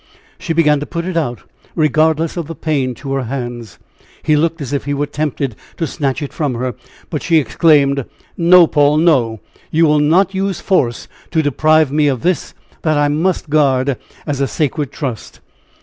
She began to put it out, regardless of the pain to her hands. He looked as if he were tempted to snatch it from her, but she exclaimed: "No, Paul! no! You will not use force to deprive me of this that I must guard as a sacred trust."